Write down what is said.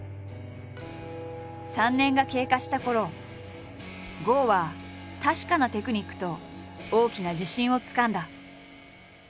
３年が経過したころ郷は確かなテクニックと大きな自信をつかんだ。